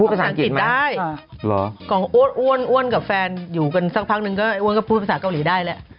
ภาษาอังกฤษได้กล่องอ้วนกับแฟนอยู่กันสักพักนึงก็อ้วนก็พูดภาษาเกาหลีได้แหละ